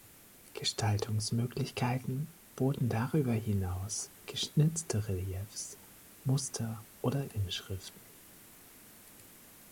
Gestaltungsmöglichkeiten boten darüber hinaus geschnitzte Reliefs, Muster oder Inschriften.